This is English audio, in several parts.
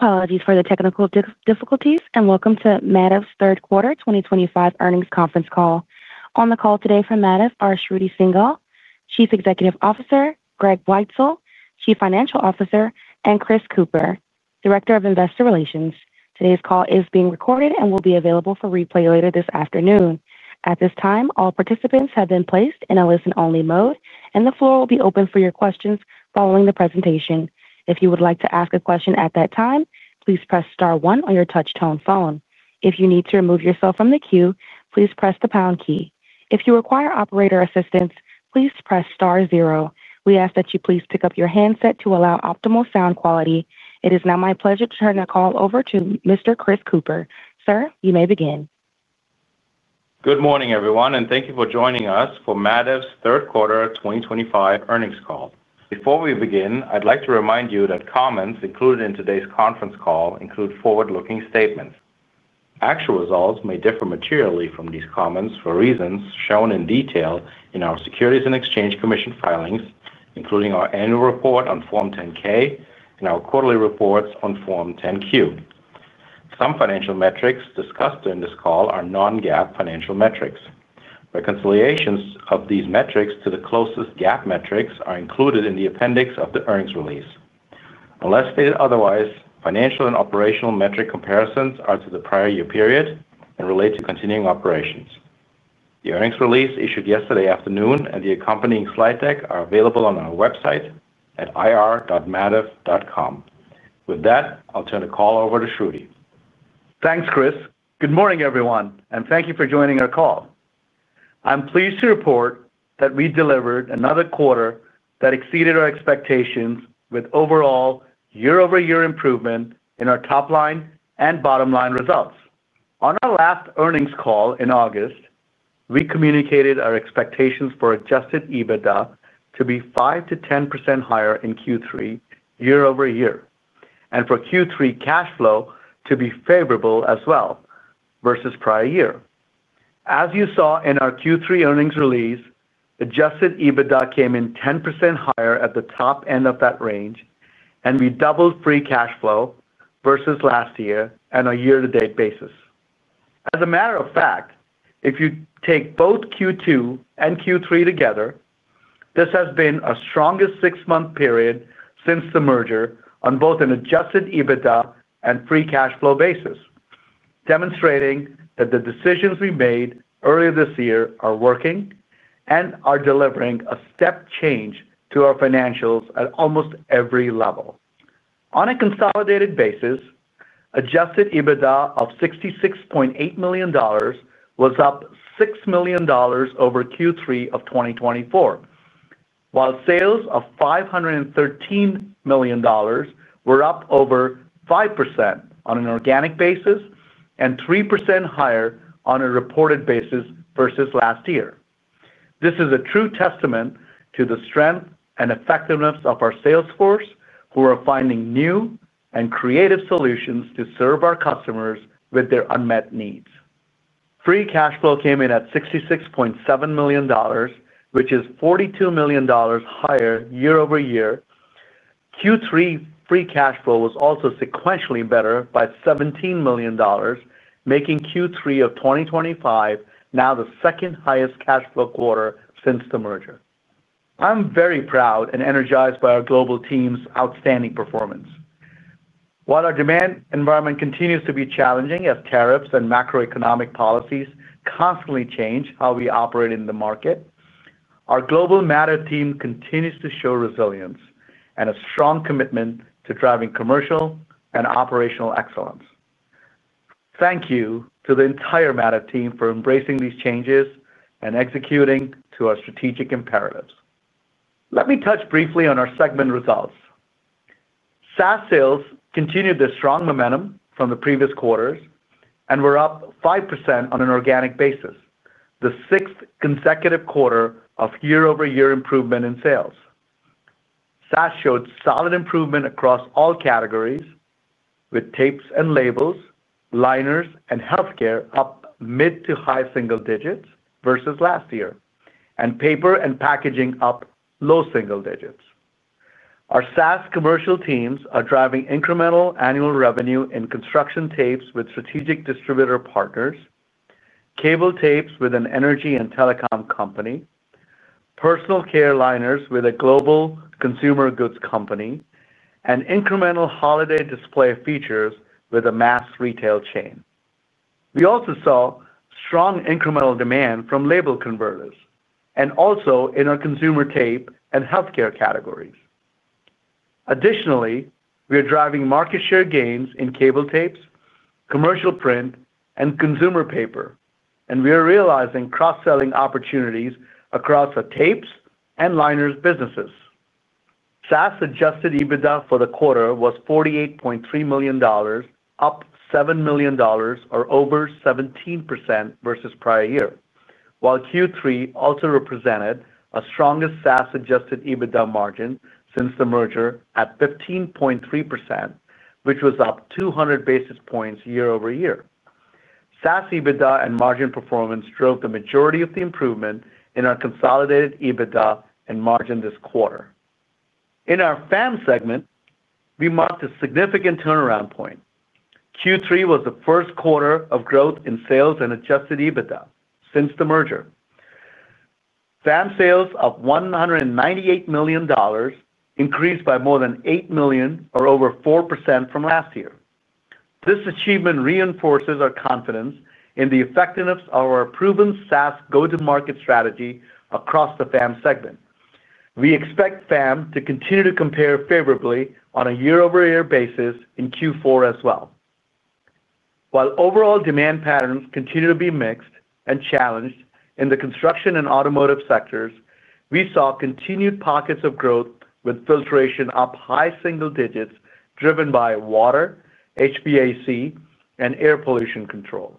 Apologies for the technical difficulties, and welcome to Mativ's third quarter 2025 earnings conference call. On the call today for Mativ are Shruti Singhal, Chief Executive Officer, Greg Weitzel, Chief Financial Officer, and Chris Kuepper, Director of Investor Relations. Today's call is being recorded and will be available for replay later this afternoon. At this time, all participants have been placed in a listen-only mode, and the floor will be open for your questions following the presentation. If you would like to ask a question at that time, please press Star 1 on your touch-tone phone. If you need to remove yourself from the queue, please press the pound key. If you require operator assistance, please press Star 0. We ask that you please pick up your handset to allow optimal sound quality. It is now my pleasure to turn the call over to Mr. Chris Kuepper. Sir, you may begin. Good morning, everyone, and thank you for joining us for Mativ's third quarter 2025 earnings call. Before we begin, I'd like to remind you that comments included in today's conference call include forward-looking statements. Actual results may differ materially from these comments for reasons shown in detail in our Securities and Exchange Commission filings, including our annual report on Form 10-K and our quarterly reports on Form 10-Q. Some financial metrics discussed during this call are non-GAAP financial metrics. Reconciliations of these metrics to the closest GAAP metrics are included in the appendix of the earnings release. Unless stated otherwise, financial and operational metric comparisons are to the prior year period and relate to continuing operations. The earnings release issued yesterday afternoon and the accompanying slide deck are available on our website at irr.mativ.com. With that, I'll turn the call over to Shruti. Thanks, Chris. Good morning, everyone, and thank you for joining our call. I'm pleased to report that we delivered another quarter that exceeded our expectations, with overall year-over-year improvement in our top-line and bottom-line results. On our last earnings call in August, we communicated our expectations for Adjusted EBITDA to be 5%-10% higher in Q3 year-over-year, and for Q3 cash flow to be favorable as well versus prior year. As you saw in our Q3 earnings release, Adjusted EBITDA came in 10% higher at the top end of that range, and we doubled free cash flow versus last year on a year-to-date basis. As a matter of fact, if you take both Q2 and Q3 together, this has been our strongest six-month period since the merger on both an Adjusted EBITDA and free cash flow basis, demonstrating that the decisions we made earlier this year are working and are delivering a step change to our financials at almost every level. On a consolidated basis, Adjusted EBITDA of $66.8 million was up $6 million over Q3 of 2024. While sales of $513 million were up over 5% on an organic basis and 3% higher on a reported basis versus last year. This is a true testament to the strength and effectiveness of our salesforce, who are finding new and creative solutions to serve our customers with their unmet needs. Free cash flow came in at $66.7 million, which is $42 million higher year-over-year. Q3 free cash flow was also sequentially better by $17 million, making Q3 of 2025 now the second-highest cash flow quarter since the merger. I'm very proud and energized by our global team's outstanding performance. While our demand environment continues to be challenging as tariffs and macroeconomic policies constantly change how we operate in the market, our global Mativ team continues to show resilience and a strong commitment to driving commercial and operational excellence. Thank you to the entire Mativ team for embracing these changes and executing to our strategic imperatives. Let me touch briefly on our segment results. SAS sales continued their strong momentum from the previous quarters and were up 5% on an organic basis, the sixth consecutive quarter of year-over-year improvement in sales. SAS showed solid improvement across all categories, with tapes and labels, liners, and healthcare up mid to high single digits versus last year, and paper and packaging up low single digits. Our SAS commercial teams are driving incremental annual revenue in construction tapes with strategic distributor partners, cable tapes with an energy and telecom company, personal care liners with a global consumer goods company, and incremental holiday display features with a mass retail chain. We also saw strong incremental demand from label converters and also in our consumer tape and healthcare categories. Additionally, we are driving market share gains in cable tapes, commercial print, and consumer paper, and we are realizing cross-selling opportunities across our tapes and liners businesses. SAS Adjusted EBITDA for the quarter was $48.3 million, up $7 million or over 17% versus prior year, while Q3 also represented our strongest SAS Adjusted EBITDA margin since the merger at 15.3%, which was up 200 basis points year-over-year. SAS EBITDA and margin performance drove the majority of the improvement in our consolidated EBITDA and margin this quarter. In our FAM segment, we marked a significant turnaround point. Q3 was the first quarter of growth in sales and Adjusted EBITDA since the merger. FAM sales of $198 million increased by more than $8 million or over 4% from last year. This achievement reinforces our confidence in the effectiveness of our proven SAS go-to-market strategy across the FAM segment. We expect FAM to continue to compare favorably on a year-over-year basis in Q4 as well. While overall demand patterns continue to be mixed and challenged in the construction and automotive sectors, we saw continued pockets of growth with filtration up high single digits driven by water, HVAC, and air pollution control.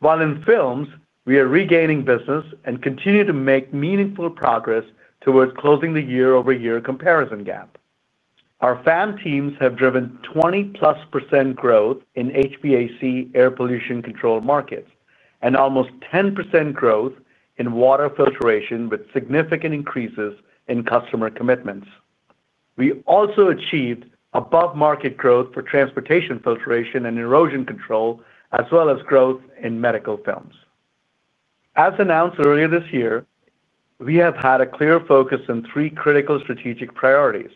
While in films, we are regaining business and continue to make meaningful progress towards closing the year-over-year comparison gap. Our FAM teams have driven 20%+ growth in HVAC, air pollution control markets, and almost 10% growth in water filtration with significant increases in customer commitments. We also achieved above-market growth for transportation filtration and erosion control, as well as growth in medical films. As announced earlier this year, we have had a clear focus on three critical strategic priorities: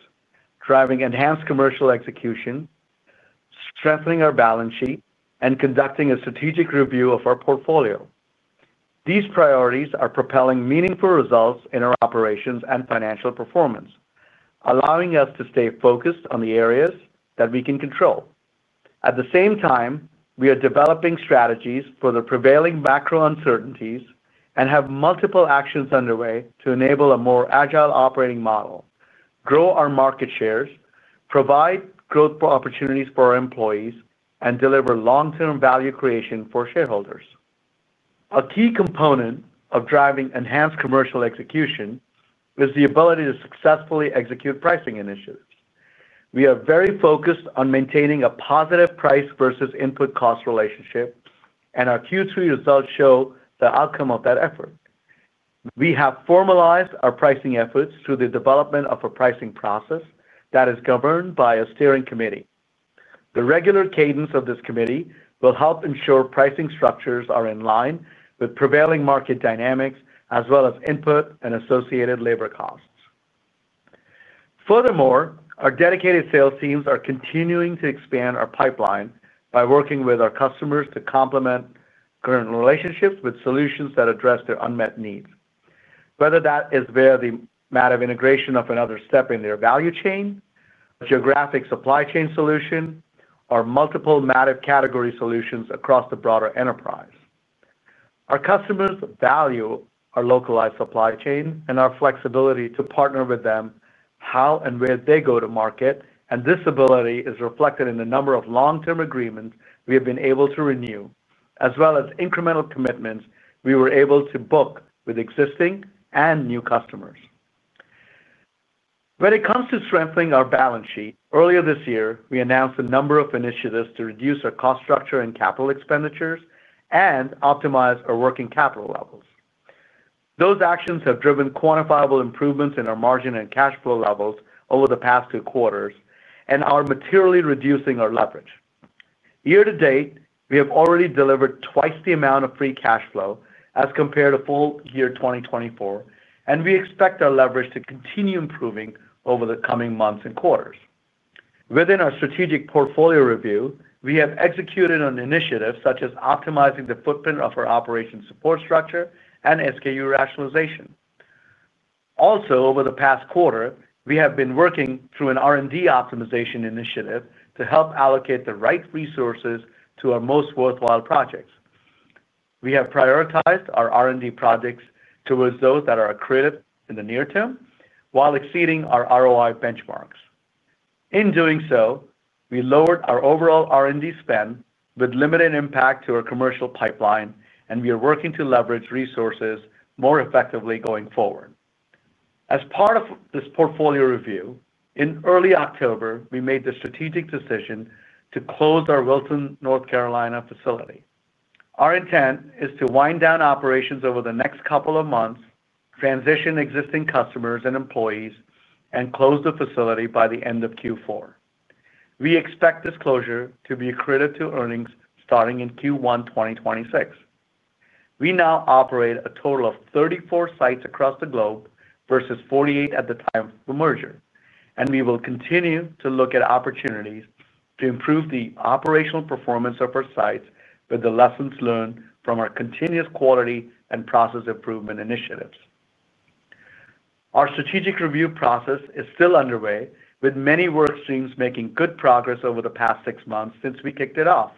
driving enhanced commercial execution, strengthening our balance sheet, and conducting a strategic review of our portfolio. These priorities are propelling meaningful results in our operations and financial performance, allowing us to stay focused on the areas that we can control. At the same time, we are developing strategies for the prevailing macro uncertainties and have multiple actions underway to enable a more agile operating model, grow our market shares, provide growth opportunities for our employees, and deliver long-term value creation for shareholders. A key component of driving enhanced commercial execution is the ability to successfully execute pricing initiatives. We are very focused on maintaining a positive price versus input cost relationship, and our Q3 results show the outcome of that effort. We have formalized our pricing efforts through the development of a pricing process that is governed by a steering committee. The regular cadence of this committee will help ensure pricing structures are in line with prevailing market dynamics as well as input and associated labor costs. Furthermore, our dedicated sales teams are continuing to expand our pipeline by working with our customers to complement current relationships with solutions that address their unmet needs, whether that is via the Mativ integration of another step in their value chain, a geographic supply chain solution, or multiple Mativ category solutions across the broader enterprise. Our customers value our localized supply chain and our flexibility to partner with them how and where they go to market, and this ability is reflected in the number of long-term agreements we have been able to renew, as well as incremental commitments we were able to book with existing and new customers. When it comes to strengthening our balance sheet, earlier this year, we announced a number of initiatives to reduce our cost structure and capital expenditures and optimize our working capital levels. Those actions have driven quantifiable improvements in our margin and cash flow levels over the past two quarters and are materially reducing our leverage. Year-to-date, we have already delivered twice the amount of free cash flow as compared to full year 2024, and we expect our leverage to continue improving over the coming months and quarters. Within our strategic portfolio review, we have executed on initiatives such as optimizing the footprint of our operations support structure and SKU rationalization. Also, over the past quarter, we have been working through an R&D optimization initiative to help allocate the right resources to our most worthwhile projects. We have prioritized our R&D projects towards those that are accredited in the near term while exceeding our ROI benchmarks. In doing so, we lowered our overall R&D spend with limited impact to our commercial pipeline, and we are working to leverage resources more effectively going forward. As part of this portfolio review, in early October, we made the strategic decision to close our Wilson, North Carolina, facility. Our intent is to wind down operations over the next couple of months, transition existing customers and employees, and close the facility by the end of Q4. We expect this closure to be accredited to earnings starting in Q1 2026. We now operate a total of 34 sites across the globe versus 48 at the time of the merger, and we will continue to look at opportunities to improve the operational performance of our sites with the lessons learned from our continuous quality and process improvement initiatives. Our strategic review process is still underway, with many workstreams making good progress over the past six months since we kicked it off.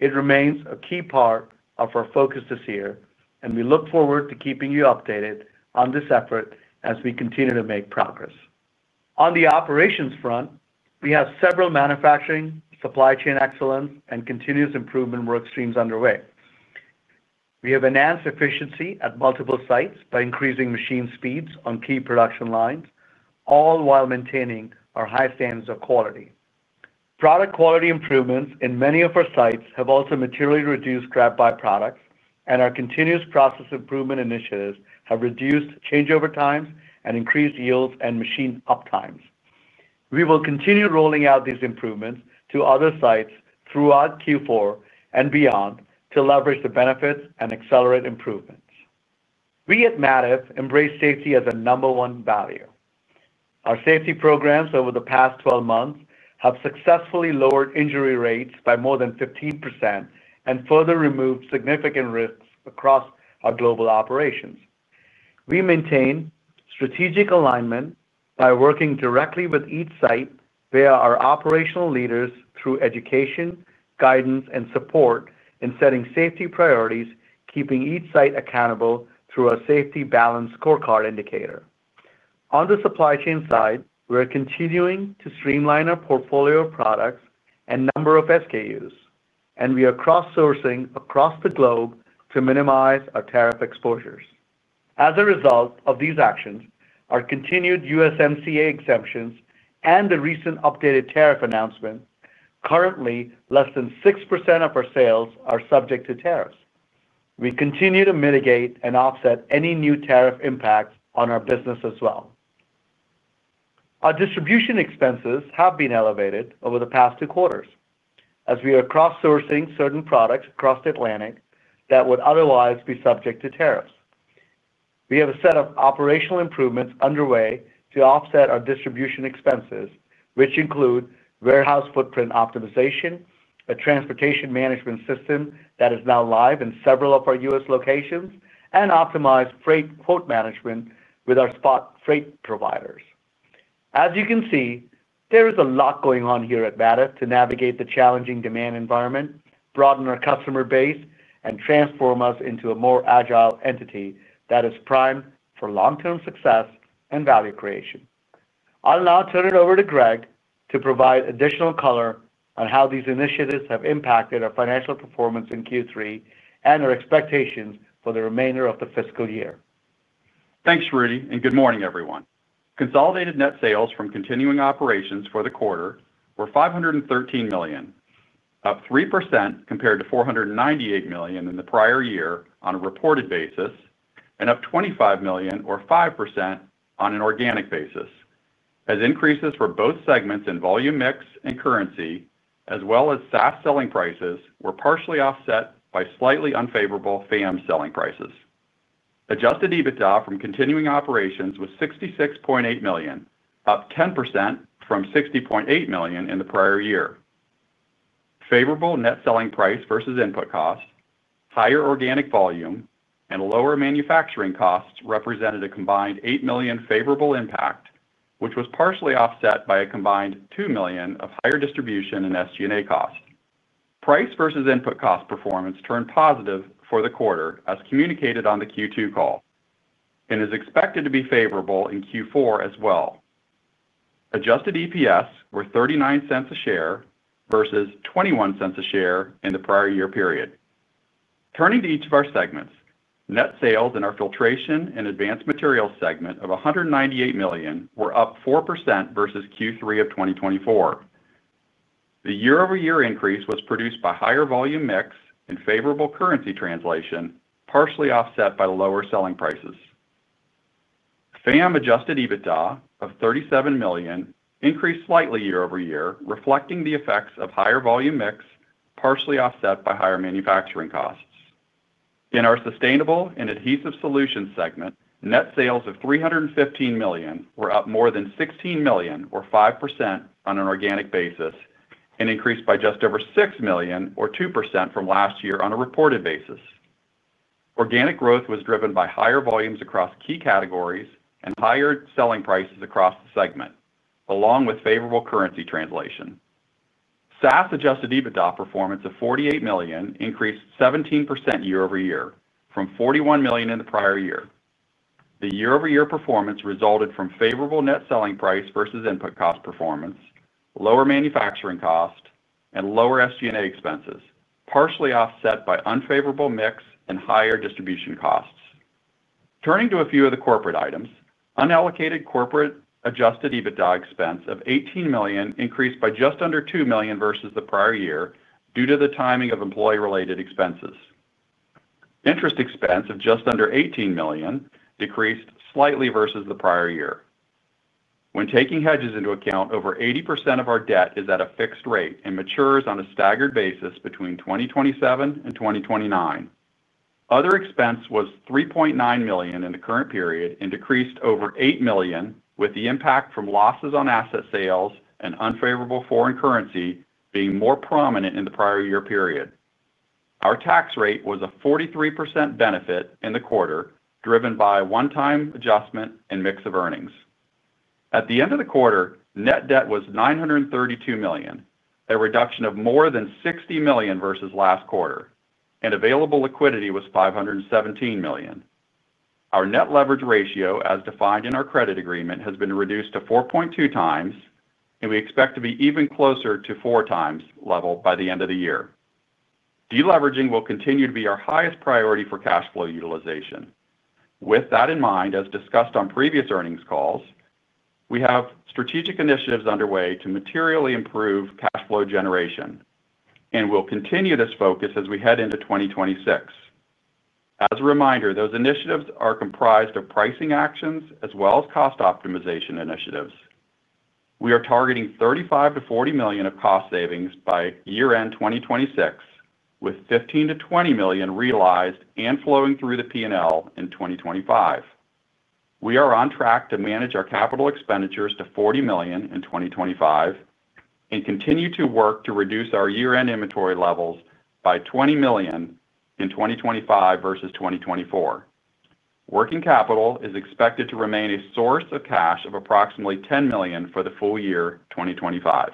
It remains a key part of our focus this year, and we look forward to keeping you updated on this effort as we continue to make progress. On the operations front, we have several manufacturing, supply chain excellence, and continuous improvement workstreams underway. We have enhanced efficiency at multiple sites by increasing machine speeds on key production lines, all while maintaining our high standards of quality. Product quality improvements in many of our sites have also materially reduced scrap byproducts, and our continuous process improvement initiatives have reduced changeover times and increased yields and machine uptimes. We will continue rolling out these improvements to other sites throughout Q4 and beyond to leverage the benefits and accelerate improvements. We at Mativ embrace safety as a number one value. Our safety programs over the past 12 months have successfully lowered injury rates by more than 15% and further removed significant risks across our global operations. We maintain strategic alignment by working directly with each site via our operational leaders through education, guidance, and support in setting safety priorities, keeping each site accountable through our safety balance scorecard indicator. On the supply chain side, we are continuing to streamline our portfolio of products and number of SKUs, and we are cross-sourcing across the globe to minimize our tariff exposures. As a result of these actions, our continued USMCA exemptions and the recent updated tariff announcement, currently less than 6% of our sales are subject to tariffs. We continue to mitigate and offset any new tariff impacts on our business as well. Our distribution expenses have been elevated over the past two quarters as we are cross-sourcing certain products across the Atlantic that would otherwise be subject to tariffs. We have a set of operational improvements underway to offset our distribution expenses, which include warehouse footprint optimization, a transportation management system that is now live in several of our U.S. locations, and optimized freight quote management with our spot freight providers. As you can see, there is a lot going on here at Mativ to navigate the challenging demand environment, broaden our customer base, and transform us into a more agile entity that is primed for long-term success and value creation. I'll now turn it over to Greg to provide additional color on how these initiatives have impacted our financial performance in Q3 and our expectations for the remainder of the fiscal year. Thanks, Shruti, and good morning, everyone. Consolidated net sales from continuing operations for the quarter were $513 million, up 3% compared to $498 million in the prior year on a reported basis, and up $25 million, or 5%, on an organic basis, as increases for both segments in volume mix and currency, as well as SAS selling prices, were partially offset by slightly unfavorable FAM selling prices. Adjusted EBITDA from continuing operations was $66.8 million, up 10% from $60.8 million in the prior year. Favorable net selling price versus input cost, higher organic volume, and lower manufacturing costs represented a combined $8 million favorable impact, which was partially offset by a combined $2 million of higher distribution and SG&A cost. Price versus input cost performance turned positive for the quarter, as communicated on the Q2 call, and is expected to be favorable in Q4 as well. Adjusted EPS were $0.39 a share versus $0.21 a share in the prior year period. Turning to each of our segments, net sales in our Filtration and Advanced Materials segment of $198 million were up 4% versus Q3 of 2024. The year-over-year increase was produced by higher volume mix and favorable currency translation, partially offset by lower selling prices. FAM Adjusted EBITDA of $37 million increased slightly year-over-year, reflecting the effects of higher volume mix, partially offset by higher manufacturing costs. In our Sustainable and Adhesive Solutions segment, net sales of $315 million were up more than $16 million, or 5%, on an organic basis, and increased by just over $6 million, or 2%, from last year on a reported basis. Organic growth was driven by higher volumes across key categories and higher selling prices across the segment, along with favorable currency translation. SAS Adjusted EBITDA performance of $48 million increased 17% year-over-year from $41 million in the prior year. The year-over-year performance resulted from favorable net selling price versus input cost performance, lower manufacturing cost, and lower SG&A expenses, partially offset by unfavorable mix and higher distribution costs. Turning to a few of the corporate items, unallocated corporate Adjusted EBITDA expense of $18 million increased by just under $2 million versus the prior year due to the timing of employee-related expenses. Interest expense of just under $18 million decreased slightly versus the prior year. When taking hedges into account, over 80% of our debt is at a fixed rate and matures on a staggered basis between 2027 and 2029. Other expense was $3.9 million in the current period and decreased over $8 million, with the impact from losses on asset sales and unfavorable foreign currency being more prominent in the prior year period. Our tax rate was a 43% benefit in the quarter, driven by a one-time adjustment and mix of earnings. At the end of the quarter, net debt was $932 million, a reduction of more than $60 million versus last quarter, and available liquidity was $517 million. Our net leverage ratio, as defined in our credit agreement, has been reduced to 4.2x, and we expect to be even closer to the 4x level by the end of the year. Deleveraging will continue to be our highest priority for cash flow utilization. With that in mind, as discussed on previous earnings calls, we have strategic initiatives underway to materially improve cash flow generation and will continue this focus as we head into 2026. As a reminder, those initiatives are comprised of pricing actions as well as cost optimization initiatives. We are targeting $35 million-$40 million of cost savings by year-end 2026, with $15 million-$20 million realized and flowing through the P&L in 2025. We are on track to manage our capital expenditures to $40 million in 2025. We continue to work to reduce our year-end inventory levels by $20 million in 2025 versus 2024. Working capital is expected to remain a source of cash of approximately $10 million for the full year 2025.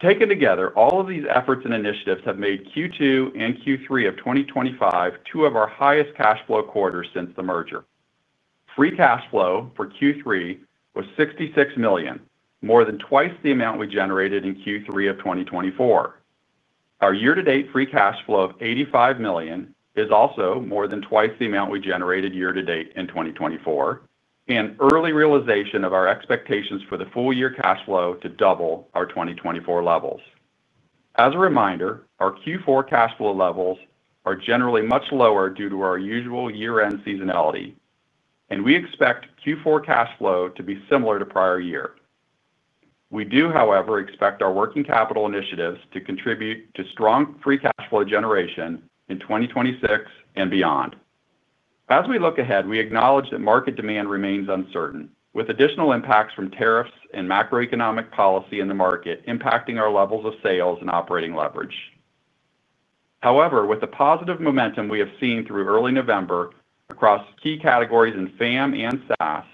Taken together, all of these efforts and initiatives have made Q2 and Q3 of 2025 two of our highest cash flow quarters since the merger. Free cash flow for Q3 was $66 million, more than twice the amount we generated in Q3 of 2024. Our year-to-date free cash flow of $85 million is also more than twice the amount we generated year-to-date in 2024, and early realization of our expectations for the full year cash flow to double our 2024 levels. As a reminder, our Q4 cash flow levels are generally much lower due to our usual year-end seasonality, and we expect Q4 cash flow to be similar to prior year. We do, however, expect our working capital initiatives to contribute to strong free cash flow generation in 2026 and beyond. As we look ahead, we acknowledge that market demand remains uncertain, with additional impacts from tariffs and macroeconomic policy in the market impacting our levels of sales and operating leverage. However, with the positive momentum we have seen through early November across key categories in FAM and SAS,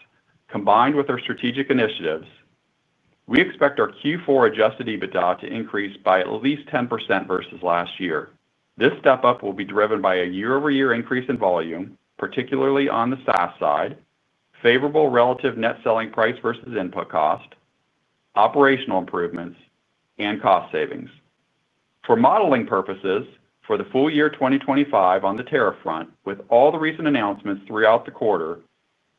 combined with our strategic initiatives, we expect our Q4 Adjusted EBITDA to increase by at least 10% versus last year. This step-up will be driven by a year-over-year increase in volume, particularly on the SAS side, favorable relative net selling price versus input cost, operational improvements, and cost savings. For modeling purposes, for the full year 2025 on the tariff front, with all the recent announcements throughout the quarter,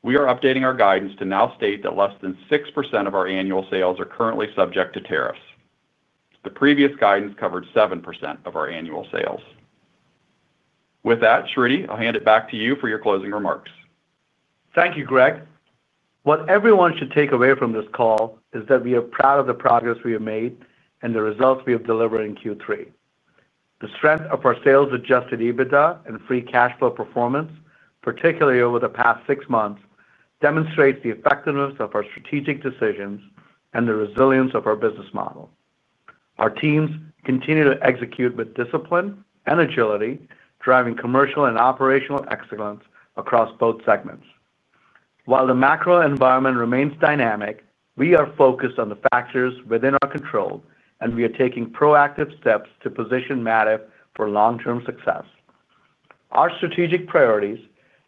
we are updating our guidance to now state that less than 6% of our annual sales are currently subject to tariffs. The previous guidance covered 7% of our annual sales. With that, Shruti, I'll hand it back to you for your closing remarks. Thank you, Greg. What everyone should take away from this call is that we are proud of the progress we have made and the results we have delivered in Q3. The strength of our sales-Adjusted EBITDA and free cash flow performance, particularly over the past six months, demonstrates the effectiveness of our strategic decisions and the resilience of our business model. Our teams continue to execute with discipline and agility, driving commercial and operational excellence across both segments. While the macro environment remains dynamic, we are focused on the factors within our control, and we are taking proactive steps to position Mativ for long-term success. Our strategic priorities,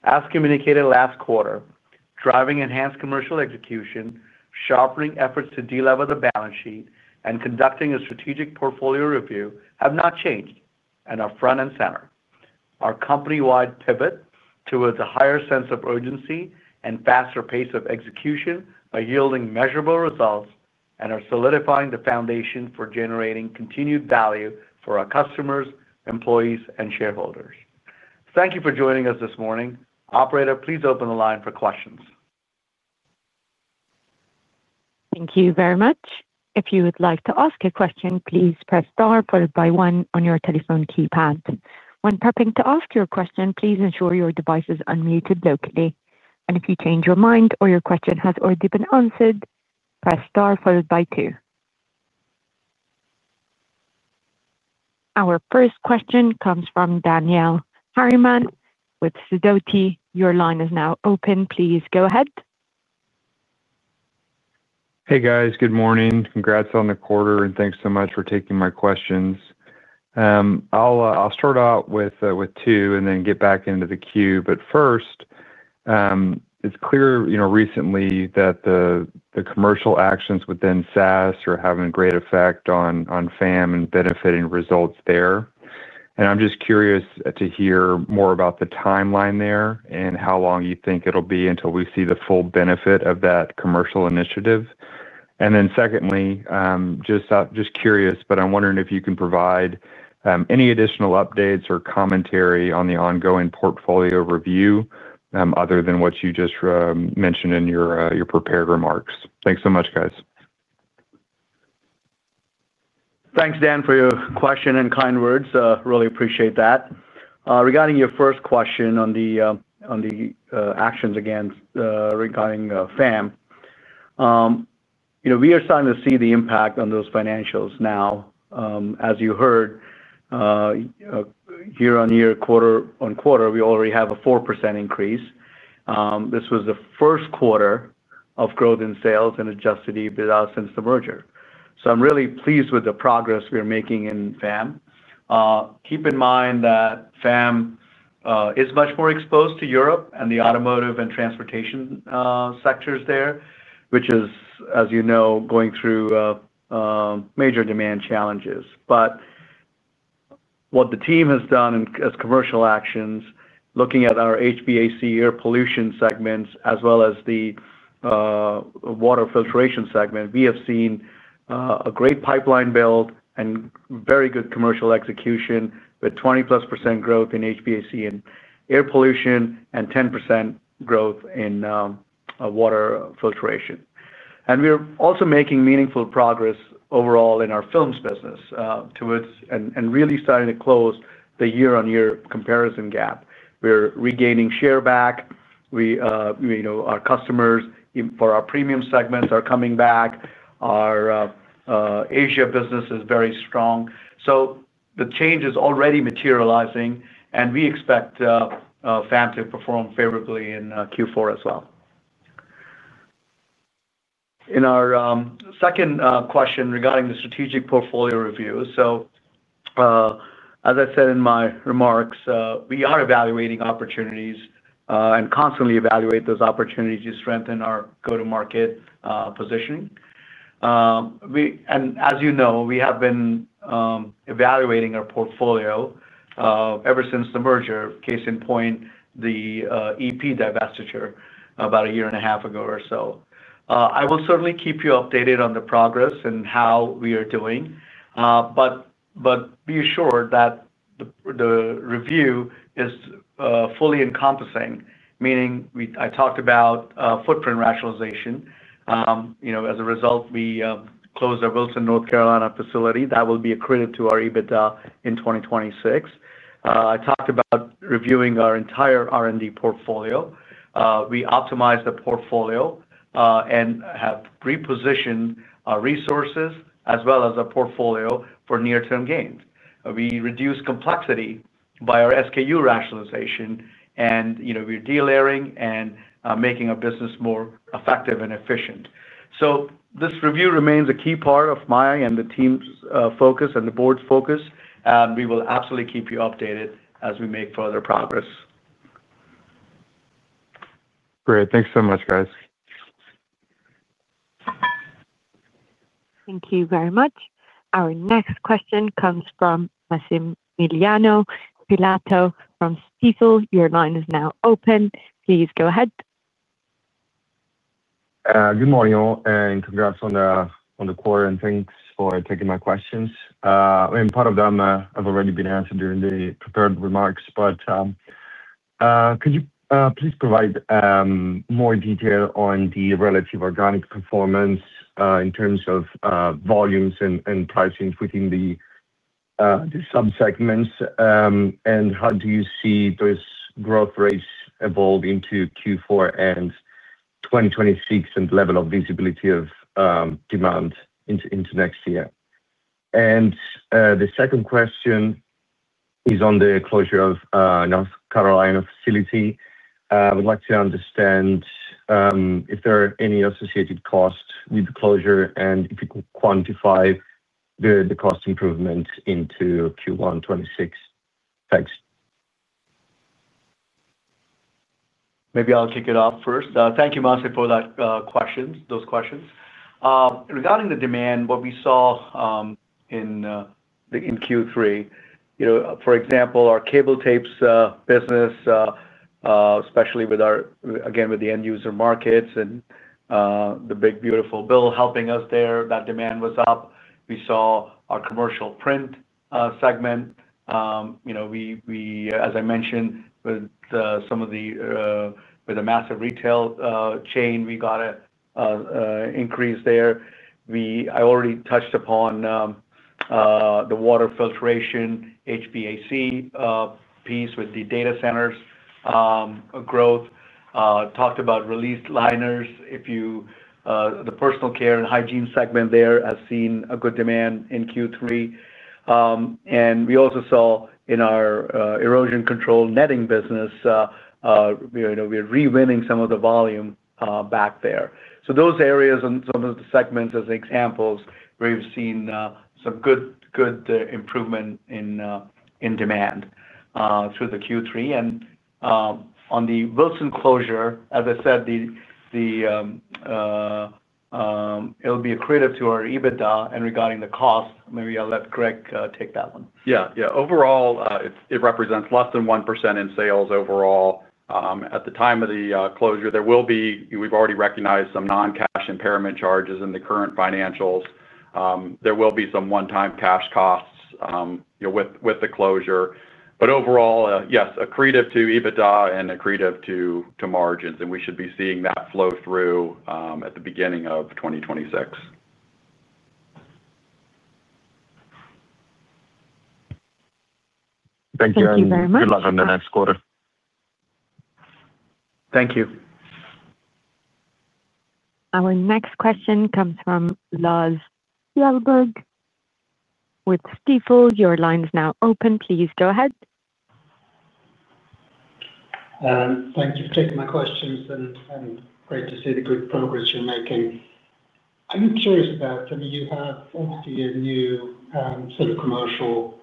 as communicated last quarter, driving enhanced commercial execution, sharpening efforts to delever the balance sheet, and conducting a strategic portfolio review have not changed and are front and center. Our company-wide pivot towards a higher sense of urgency and faster pace of execution are yielding measurable results and are solidifying the foundation for generating continued value for our customers, employees, and shareholders. Thank you for joining us this morning. Operator, please open the line for questions. Thank you very much. If you would like to ask a question, please press star followed by one on your telephone keypad. When prepping to ask your question, please ensure your device is unmuted locally. If you change your mind or your question has already been answered, press star followed by two. Our first question comes from Daniel Harriman with Sidoti. Your line is now open. Please go ahead. Hey, guys. Good morning. Congrats on the quarter, and thanks so much for taking my questions. I'll start out with two and then get back into the queue. First, it's clear recently that the commercial actions within SAS are having a great effect on FAM and benefiting results there. I'm just curious to hear more about the timeline there and how long you think it'll be until we see the full benefit of that commercial initiative. Secondly, just curious, but I'm wondering if you can provide any additional updates or commentary on the ongoing portfolio review other than what you just mentioned in your prepared remarks. Thanks so much, guys. Thanks, Dan, for your question and kind words. Really appreciate that. Regarding your first question on the actions against regarding FAM. We are starting to see the impact on those financials now. As you heard, year-on-year, quarter-on-quarter, we already have a 4% increase. This was the first quarter of growth in sales and Adjusted EBITDA since the merger. So I'm really pleased with the progress we're making in FAM. Keep in mind that FAM is much more exposed to Europe and the automotive and transportation sectors there, which is, as you know, going through major demand challenges. What the team has done as commercial actions, looking at our HVAC air pollution segments as well as the water filtration segment, we have seen a great pipeline build and very good commercial execution with 20%+ growth in HVAC and air pollution and 10% growth in water filtration. We are also making meaningful progress overall in our films business. We are really starting to close the year-on-year comparison gap. We are regaining share back. Our customers for our premium segments are coming back. Our Asia business is very strong. The change is already materializing, and we expect FAM to perform favorably in Q4 as well. In our second question regarding the strategic portfolio review, as I said in my remarks, we are evaluating opportunities and constantly evaluate those opportunities to strengthen our go-to-market positioning. As you know, we have been evaluating our portfolio ever since the merger, case in point, the EP divestiture about a year and a half ago or so. I will certainly keep you updated on the progress and how we are doing. Be assured that the review is fully encompassing, meaning I talked about footprint rationalization. As a result, we closed our Wilson, North Carolina facility that will be accredited to our EBITDA in 2026. I talked about reviewing our entire R&D portfolio. We optimized the portfolio and have repositioned our resources as well as our portfolio for near-term gains. We reduced complexity by our SKU rationalization, and we are de-layering and making our business more effective and efficient. This review remains a key part of my and the team's focus and the board's focus, and we will absolutely keep you updated as we make further progress. Great. Thanks so much, guys. Thank you very much. Our next question comes from Massimiliano Pilato from Stifel. Your line is now open. Please go ahead. Good morning all, and congrats on the quarter, and thanks for taking my questions. I mean, part of them have already been answered during the prepared remarks, but. Could you please provide. More detail on the relative organic performance in terms of volumes and pricing within the subsegments, and how do you see those growth rates evolve into Q4 and 2026 and the level of visibility of demand into next year? The second question is on the closure of North Carolina facility. I would like to understand if there are any associated costs with the closure and if you could quantify the cost improvements into Q1 2026. Thanks. Maybe I'll kick it off first. Thank you, Massim, for those questions. Regarding the demand, what we saw in Q3, for example, our cable tapes business, especially again with the end-user markets and the big, beautiful bill helping us there, that demand was up. We saw our commercial print segment, as I mentioned, with some of the, with the massive retail chain, we got an increase there. I already touched upon. The water filtration, HVAC. Piece with the data centers. Growth. Talked about released liners. The personal care and hygiene segment there has seen a good demand in Q3. We also saw in our erosion control netting business we are rewinning some of the volume back there. Those areas and some of the segments as examples where we have seen some good improvement in demand through Q3. On the Wilson closure, as I said, it will be accretive to our EBITDA. Regarding the cost, maybe I will let Greg take that one. Yeah. Overall, it represents less than 1% in sales overall. At the time of the closure, we have already recognized some non-cash impairment charges in the current financials. There will be some one-time cash costs with the closure. Overall, yes, accretive to EBITDA and accretive to margins. We should be seeing that flow through at the beginning of 2026. Thank you. Thank you very much. Good luck on the next quarter. Thank you. Our next question comes from Lars Kjellberg with Stifel. Your line is now open. Please go ahead. Thank you for taking my questions, and great to see the good progress you're making. I'm curious about—I mean, you have obviously a new sort of commercial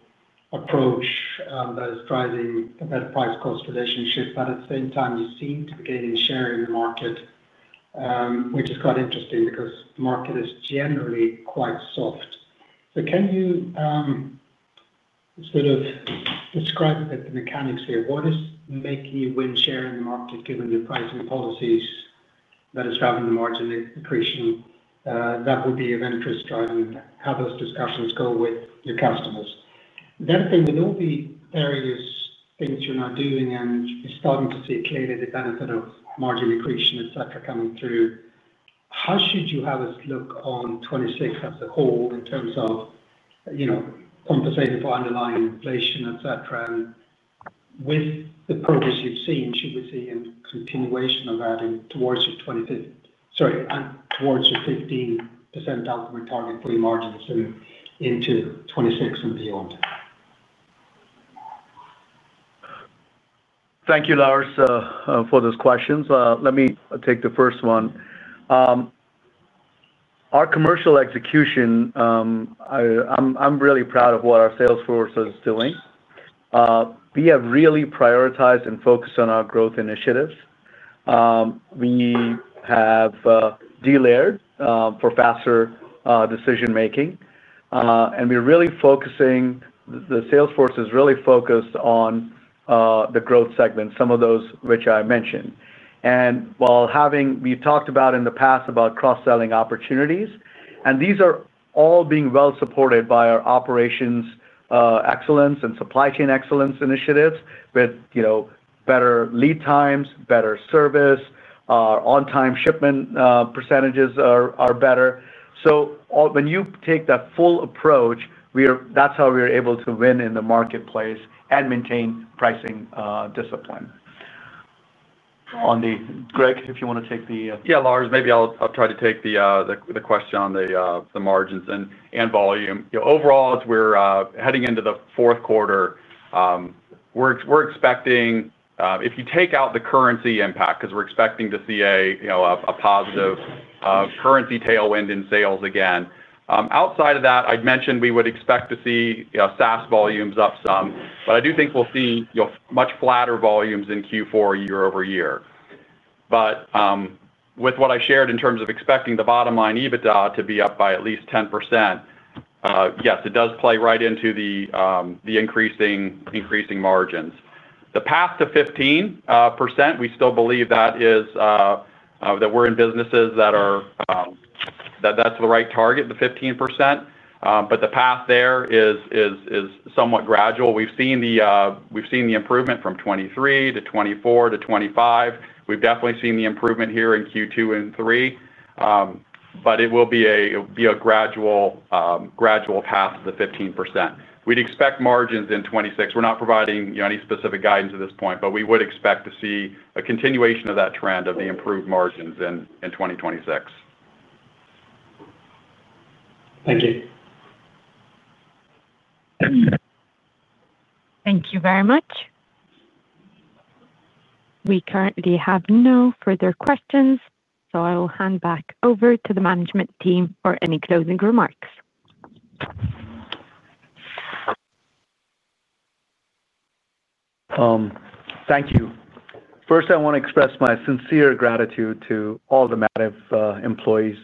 approach that is driving a better price-cost relationship, but at the same time, you seem to be gaining share in the market, which is quite interesting because the market is generally quite soft. Can you sort of describe a bit the mechanics here? What is making you win share in the market given the pricing policies that are driving the margin increase? That would be of interest, driving how those discussions go with your customers. The other thing, with all the various things you're now doing and starting to see clearly the benefit of margin increase, etc., coming through. How should you have a look on 2026 as a whole in terms of compensating for underlying inflation, etc.? With the progress you've seen, should we see a continuation of that towards your 2025—sorry, towards your 15% ultimate target for your margins into 2026 and beyond? Thank you, Lars, for those questions. Let me take the first one. Our commercial execution. I'm really proud of what our sales force is doing. We have really prioritized and focused on our growth initiatives. We have de-layered for faster decision-making. We're really focusing—the sales force is really focused on the growth segment, some of those which I mentioned. We talked about in the past about cross-selling opportunities. These are all being well-supported by our operations. Excellence and supply chain excellence initiatives with better lead times, better service. On-time shipment percentages are better. When you take that full approach, that's how we're able to win in the marketplace and maintain pricing discipline. Greg, if you want to take the— yeah, Lars, maybe I'll try to take the question on the margins and volume. Overall, as we're heading into the fourth quarter, we're expecting—if you take out the currency impact because we're expecting to see a positive currency tailwind in sales again. Outside of that, I'd mentioned we would expect to see SAS volumes up. I do think we'll see much flatter volumes in Q4 year-over-year. With what I shared in terms of expecting the bottom line EBITDA to be up by at least 10%, yes, it does play right into the increasing margins. The path to 15%, we still believe that. We're in businesses that. That's the right target, the 15%. But the path there is. Somewhat gradual. We've seen the improvement from 2023 to 2024 to 2025. We've definitely seen the improvement here in Q2 and 2023. But it will be a gradual. Path to the 15%. We'd expect margins in 2026. We're not providing any specific guidance at this point, but we would expect to see a continuation of that trend of the improved margins in 2026. Thank you. Thank you very much. We currently have no further questions, so I will hand back over to the management team for any closing remarks. Thank you. First, I want to express my sincere gratitude to all the Mativ employees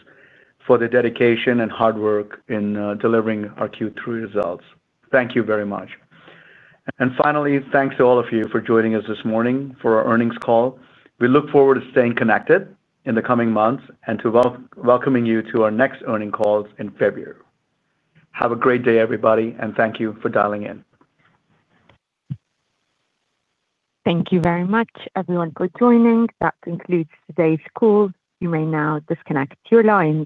for the dedication and hard work in delivering our Q3 results. Thank you very much. And finally, thanks to all of you for joining us this morning for our earnings call. We look forward to staying connected in the coming months and to welcoming you to our next earnings calls in February. Have a great day, everybody, and thank you for dialing in. Thank you very much, everyone, for joining. That concludes today's call. You may now disconnect your lines.